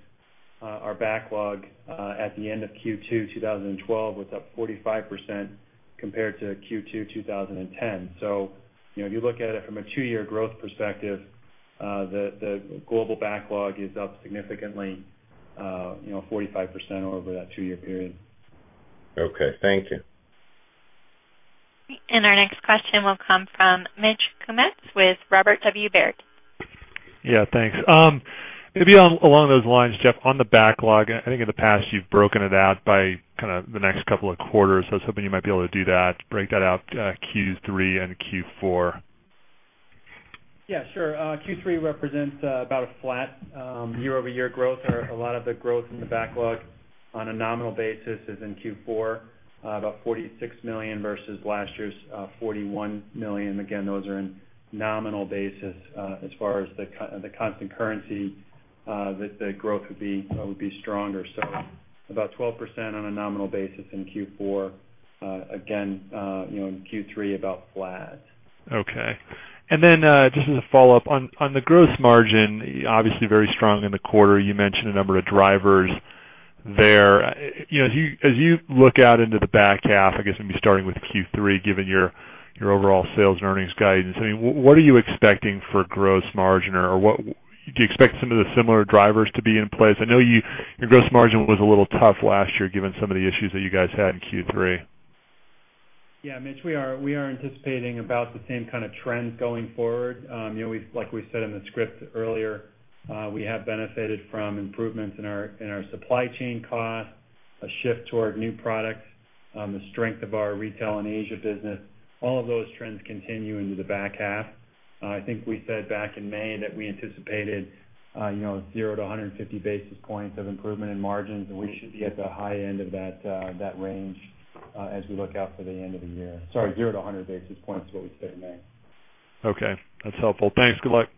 our backlog at the end of Q2 2012 was up 45% compared to Q2 2010. If you look at it from a two-year growth perspective, the global backlog is up significantly, 45% over that two-year period. Okay. Thank you. Our next question will come from Mitch Kummetz with Robert W. Baird. Yeah, thanks. Maybe along those lines, Jeff, on the backlog, I think in the past you've broken it out by the next couple of quarters. I was hoping you might be able to do that, break that out, Q3 and Q4. Yeah, sure. Q3 represents about a flat year-over-year growth, a lot of the growth in the backlog on a nominal basis is in Q4, about $46 million versus last year's $41 million. Again, those are in nominal basis. As far as the constant currency, the growth would be stronger. About 12% on a nominal basis in Q4. Again, in Q3, about flat. Okay. Just as a follow-up on the gross margin, obviously very strong in the quarter. You mentioned a number of drivers there. As you look out into the back half, I guess maybe starting with Q3, given your overall sales and earnings guidance, I mean, what are you expecting for gross margin, or do you expect some of the similar drivers to be in place? I know your gross margin was a little tough last year given some of the issues that you guys had in Q3. Yeah, Mitch, we are anticipating about the same kind of trend going forward. Like we said in the script earlier, we have benefited from improvements in our supply chain costs, a shift toward new products, the strength of our retail and Asia business. All of those trends continue into the back half. I think we said back in May that we anticipated zero to 150 basis points of improvement in margins, and we should be at the high end of that range as we look out to the end of the year. Sorry, zero to 100 basis points is what we said in May. Okay, that's helpful. Thanks. Good luck.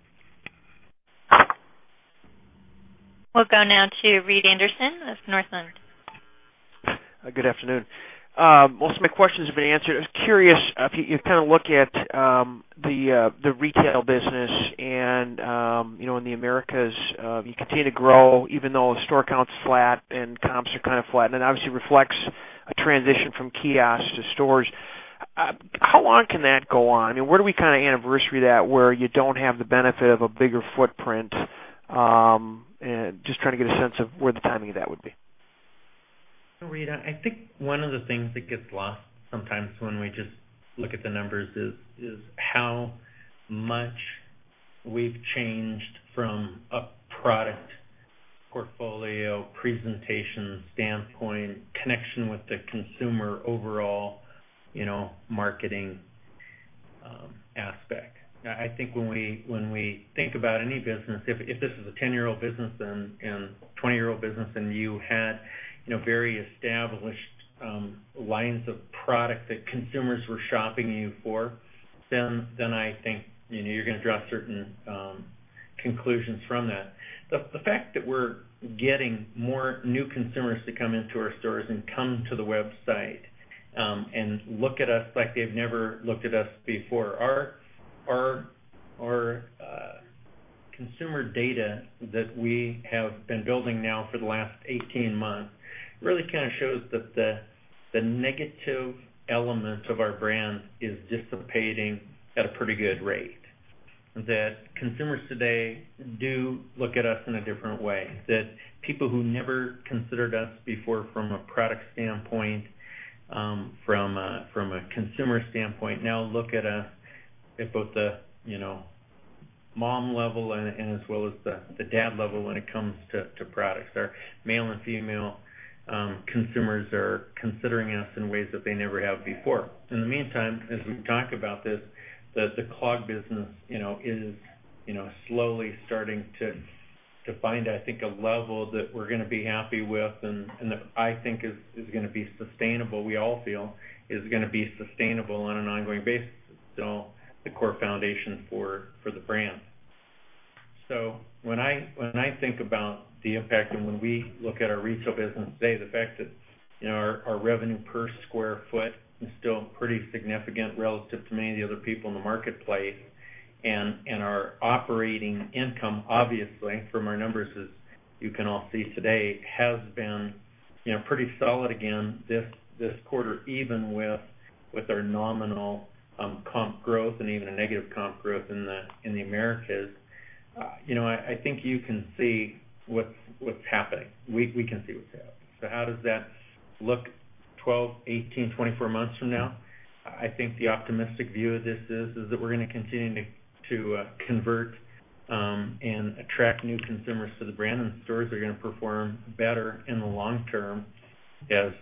We'll go now to Reed Anderson of Northland. Good afternoon. Most of my questions have been answered. I was curious if you look at the retail business and in the Americas, you continue to grow even though the store count's flat and comps are kind of flat, and it obviously reflects a transition from kiosks to stores. How long can that go on? I mean, where do we kind of anniversary that, where you don't have the benefit of a bigger footprint? Just trying to get a sense of where the timing of that would be. Reed, I think one of the things that gets lost sometimes when we just look at the numbers is how much we've changed from a product portfolio presentation standpoint, connection with the consumer overall marketing aspect. I think when we think about any business, if this is a 10-year-old business and 20-year-old business, and you had. Very established lines of product that consumers were shopping you for, I think you're going to draw certain conclusions from that. The fact that we're getting more new consumers to come into our stores and come to the website, and look at us like they've never looked at us before. Our consumer data that we have been building now for the last 18 months really kind of shows that the negative element of our brand is dissipating at a pretty good rate, that consumers today do look at us in a different way, that people who never considered us before from a product standpoint, from a consumer standpoint, now look at us at both the mom level and as well as the dad level when it comes to products. Our male and female consumers are considering us in ways that they never have before. In the meantime, as we talk about this, that the clog business is slowly starting to find, I think, a level that we're going to be happy with and that I think is going to be sustainable, we all feel is going to be sustainable on an ongoing basis. The core foundation for the brand. When I think about the impact and when we look at our retail business today, the fact that our revenue per square foot is still pretty significant relative to many of the other people in the marketplace. Our operating income, obviously, from our numbers, as you can all see today, has been pretty solid again this quarter, even with our nominal comp growth and even a negative comp growth in the Americas. I think you can see what's happening. We can see what's happening. How does that look 12, 18, 24 months from now? I think the optimistic view of this is that we're going to continue to convert and attract new consumers to the brand, and stores are going to perform better in the long term as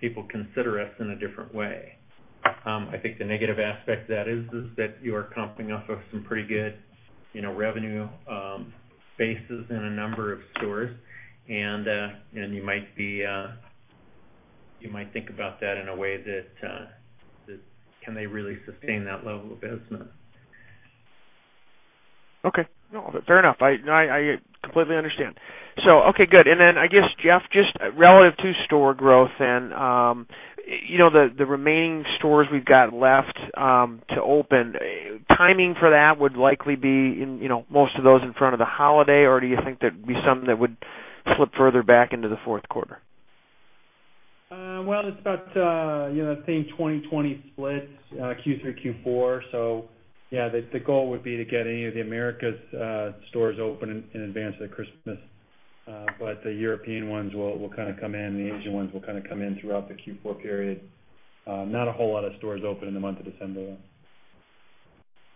people consider us in a different way. I think the negative aspect that is that you are comping off of some pretty good revenue bases in a number of stores, and you might think about that in a way that, can they really sustain that level of business? Okay. No, fair enough. I completely understand. Okay, good. Then I guess, Jeff, just relative to store growth and the remaining stores we've got left to open, timing for that would likely be most of those in front of the holiday, or do you think there'd be some that would slip further back into the fourth quarter? Well, it's about, I think, 20/20 split Q3, Q4. Yeah, the goal would be to get any of the Americas stores open in advance of Christmas. The European ones will kind of come in, the Asian ones will kind of come in throughout the Q4 period. Not a whole lot of stores open in the month of December, though.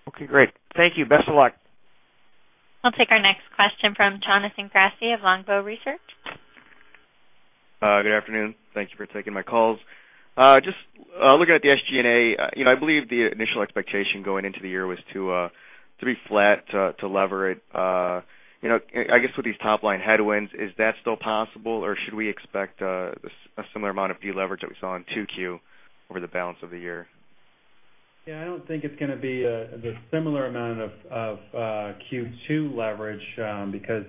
Okay, great. Thank you. Best of luck. I'll take our next question from Jonathan Komp of Longbow Research. Good afternoon. Thank you for taking my calls. Just looking at the SG&A, I believe the initial expectation going into the year was to be flat, to lever it. I guess, with these top-line headwinds, is that still possible, or should we expect a similar amount of deleverage that we saw in 2Q over the balance of the year? Yeah, I don't think it's going to be the similar amount of Q2 leverage because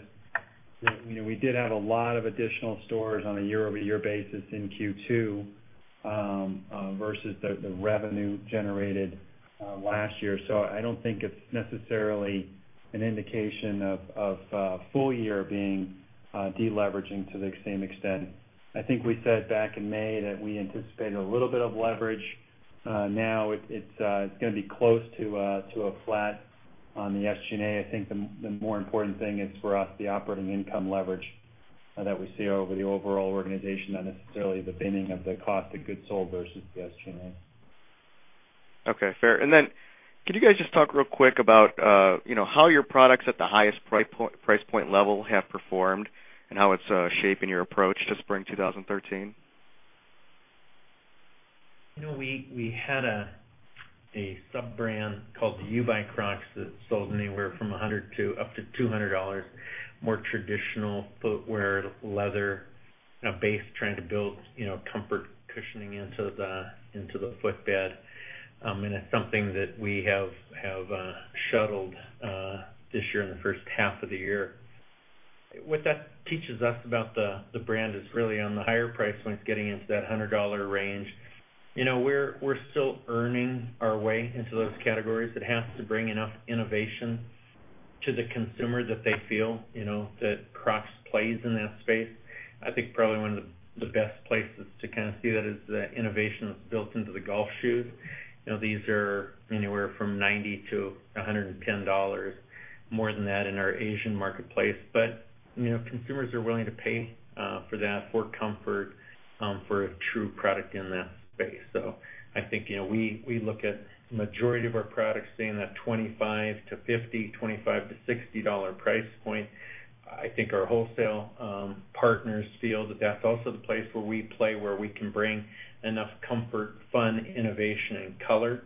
we did have a lot of additional stores on a year-over-year basis in Q2 versus the revenue generated last year. I don't think it's necessarily an indication of full year being deleveraging to the same extent. I think we said back in May that we anticipated a little bit of leverage. It's going to be close to a flat on the SG&A. I think the more important thing is for us, the operating income leverage that we see over the overall organization, not necessarily the binning of the cost of goods sold versus the SG&A. Okay, fair. Could you guys just talk real quick about how your products at the highest price point level have performed and how it's shaping your approach to spring 2013? We had a sub-brand called YOU by Crocs that sold anywhere from $100 to up to $200. More traditional footwear, leather base, trying to build comfort cushioning into the footbed. It's something that we have shuttled this year in the first half of the year. What that teaches us about the brand is really on the higher price points, getting into that $100 range. We're still earning our way into those categories. It has to bring enough innovation to the consumer that they feel that Crocs plays in that space. I think probably one of the best places to kind of see that is the innovation that's built into the golf shoes. These are anywhere from $90-$110, more than that in our Asian marketplace. Consumers are willing to pay for that, for comfort, for a true product in that space. I think we look at the majority of our products staying in that $25-$50, $25-$60 price point. I think our wholesale partners feel that that's also the place where we play, where we can bring enough comfort, fun, innovation, and color.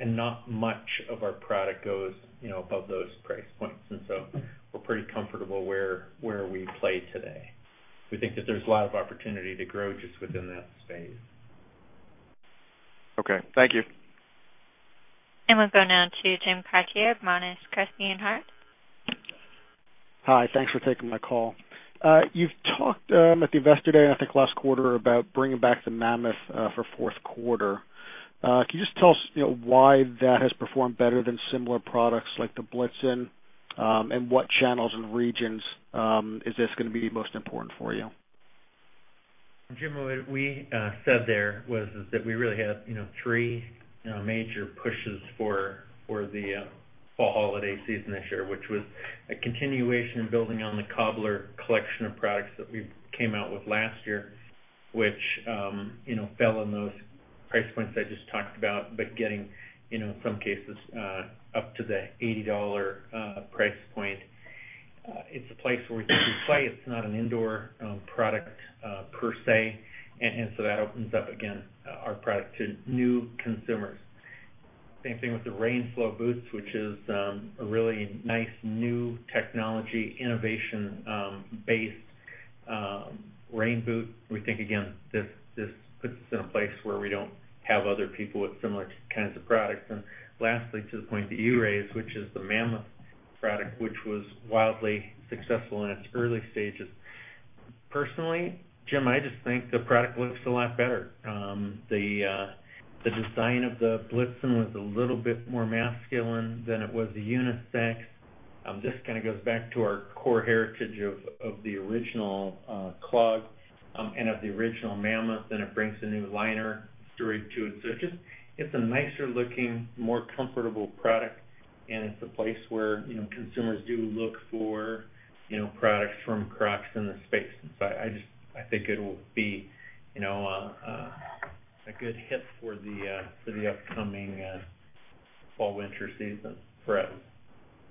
Not much of our product goes above those price points. We're pretty comfortable where we play today. We think that there's a lot of opportunity to grow just within that space. Okay, thank you. We'll go now to Jim Chartier of Monness, Crespi, and Hardt. Hi. Thanks for taking my call. You've talked at the investor day, and I think last quarter, about bringing back the Mammoth for fourth quarter. Can you just tell us why that has performed better than similar products like the Blitzen? What channels and regions is this going to be most important for you? Jim, what we said there was is that we really had three major pushes for the fall holiday season this year, which was a continuation of building on the Cobbler collection of products that we came out with last year, which fell in those price points I just talked about, but getting, in some cases, up to the $80 price point. It's a place where we think we play. It's not an indoor product per se. That opens up, again, our product to new consumers. Same thing with the RainFloe boots, which is a really nice new technology, innovation-based rain boot. We think, again, this puts us in a place where we don't have other people with similar kinds of products. Lastly, to the point that you raised, which is the Mammoth product, which was wildly successful in its early stages. Personally, Jim, I just think the product looks a lot better. The design of the Blitzen was a little bit more masculine than it was a unisex. This kind of goes back to our core heritage of the original clog, and of the original Mammoth, and it brings a new liner story to it. It's a nicer looking, more comfortable product, and it's a place where consumers do look for products from Crocs in the space. I think it'll be a good hit for the upcoming fall/winter season for us.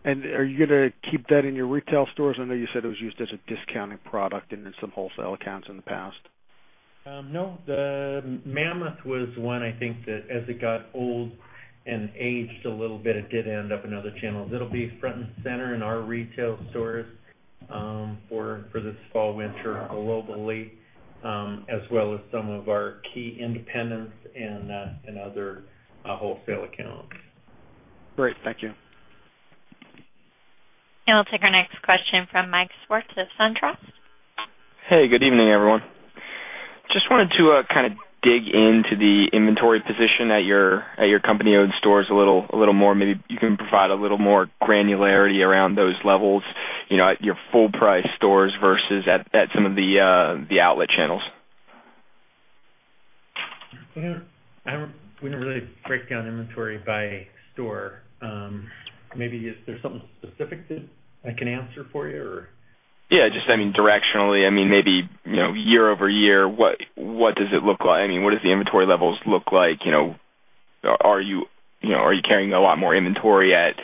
Are you going to keep that in your retail stores? I know you said it was used as a discounted product in some wholesale accounts in the past. No, the Mammoth was one, I think that as it got old and aged a little bit, it did end up in other channels. It'll be front and center in our retail stores for this fall/winter globally, as well as some of our key independents and other wholesale accounts. Great. Thank you. We'll take our next question from Mike Swartz of SunTrust. Hey, good evening, everyone. Just wanted to kind of dig into the inventory position at your company-owned stores a little more. Maybe you can provide a little more granularity around those levels, at your full price stores versus at some of the outlet channels. We don't really break down inventory by store. Maybe is there something specific that I can answer for you, or? Yeah, just directionally, maybe year-over-year, what does it look like? What does the inventory levels look like? Are you carrying a lot more inventory at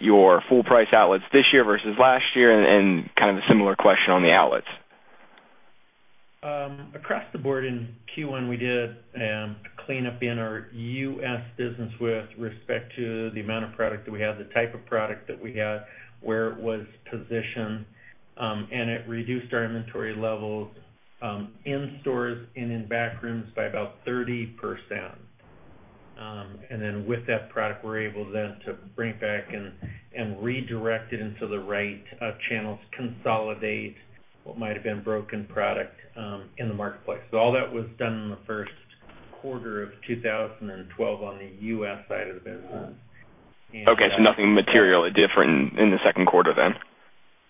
your full price outlets this year versus last year? Kind of a similar question on the outlets. Across the board in Q1, we did a cleanup in our U.S. business with respect to the amount of product that we had, the type of product that we had, where it was positioned. It reduced our inventory levels in stores and in back rooms by about 30%. With that product, we're able then to bring back and redirect it into the right channels, consolidate what might've been broken product in the marketplace. All that was done in the first quarter of 2012 on the U.S. side of the business. Okay,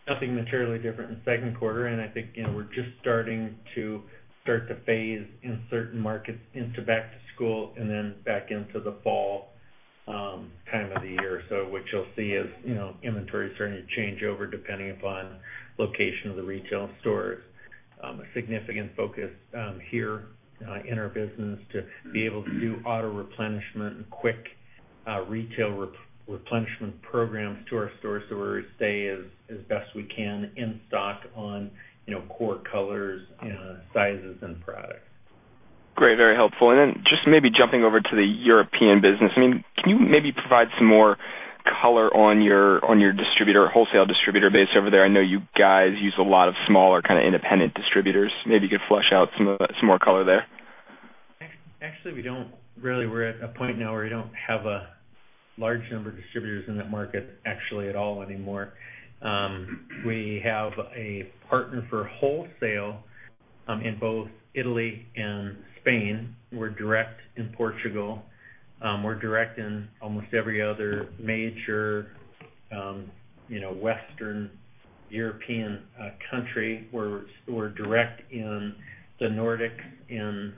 nothing materially different in the second quarter then? Nothing materially different in the second quarter, I think we're just starting to phase in certain markets into back to school and then back into the fall time of the year. What you'll see is inventory starting to change over depending upon location of the retail stores. A significant focus here in our business to be able to do auto replenishment and quick retail replenishment programs to our stores so we stay as best we can in stock on core colors, sizes, and products. Great. Very helpful. Just maybe jumping over to the European business, can you maybe provide some more color on your wholesale distributor base over there? I know you guys use a lot of smaller kind of independent distributors. Maybe you could flesh out some more color there. Actually, we don't really. We're at a point now where we don't have a large number of distributors in that market actually at all anymore. We have a partner for wholesale in both Italy and Spain. We're direct in Portugal. We're direct in almost every other major Western European country. We're direct in the Nordic, in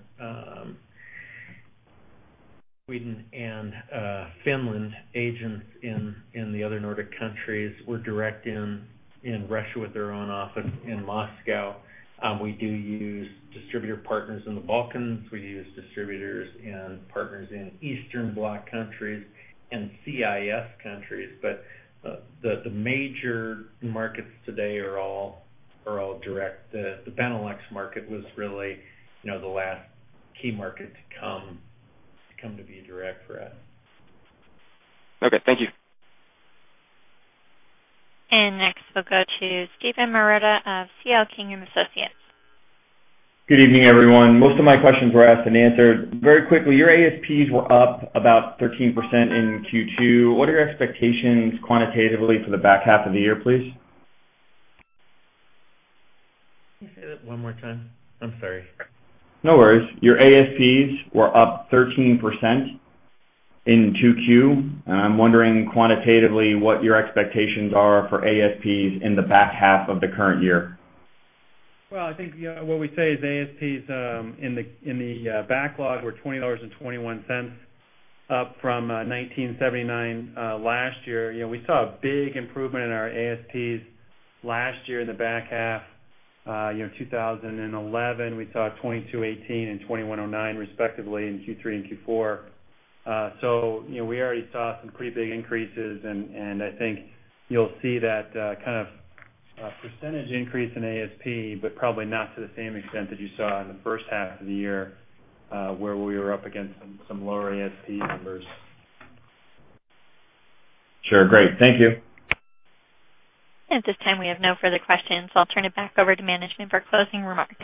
Sweden, and Finland, agents in the other Nordic countries. We're direct in Russia with our own office in Moscow. We do use distributor partners in the Balkans. We use distributors and partners in Eastern Bloc countries and CIS countries. The major markets today are all direct. The Benelux market was really the last key market to come to be direct for us. Okay, thank you. Next we'll go to Steven Marotta of C.L. King & Associates. Good evening, everyone. Most of my questions were asked and answered. Very quickly, your ASPs were up about 13% in Q2. What are your expectations quantitatively for the back half of the year, please? Can you say that one more time? I'm sorry. No worries. Your ASPs were up 13% in 2Q. I'm wondering quantitatively what your expectations are for ASPs in the back half of the current year. Well, I think what we say is ASPs in the backlog were $20.21, up from $19.79 last year. We saw a big improvement in our ASPs last year in the back half 2011. We saw $22.18 and $21.09 respectively in Q3 and Q4. We already saw some pretty big increases, and I think you'll see that kind of % increase in ASP, but probably not to the same extent that you saw in the first half of the year, where we were up against some lower ASP numbers. Sure. Great. Thank you. At this time, we have no further questions. I'll turn it back over to management for closing remarks.